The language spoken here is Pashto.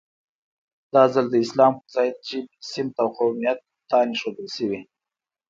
دا ځل د اسلام پر ځای د ژبې، سمت او قومیت بوتان اېښودل شوي.